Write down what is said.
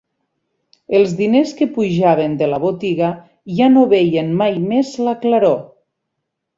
Els diners que pujaven de la botiga ja no veien mai més la claror.